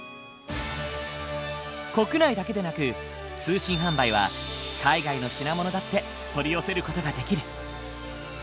国内だけでなく通信販売は海外の品物だって取り寄せる事ができる。